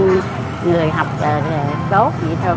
cháu mới là người học tốt vậy thôi